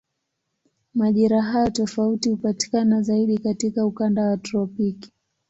Majira hayo tofauti hupatikana zaidi katika ukanda wa tropiki.